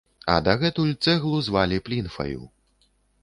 А датуль цэглу звалі плінфаю.